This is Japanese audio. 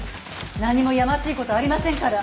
何もやましいことありませんから。